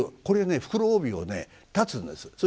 これね袋帯をね断つんです。